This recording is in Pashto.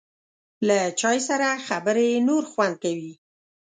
له چای سره خبرې نور خوند کوي.